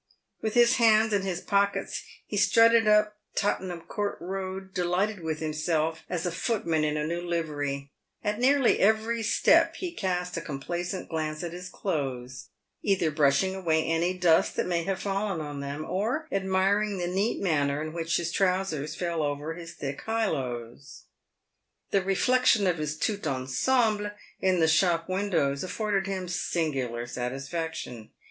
"With his hands in his pockets, he strutted up Tottenham court road, delighted with himself as a footman in a new livery. At nearly every step he cast a complacent glance at his clothes, either brushing away any dust that may have fallen on them, or admiring the neat manner in which his trousers fell over his thick highlows. The reflexion of his tout ensemble in the shop windows afforded him singular satisfaction.